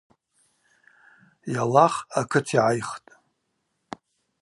Йалах акыт йгӏайхтӏ.